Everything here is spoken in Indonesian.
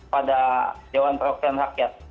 pada dewan perwakilan rakyat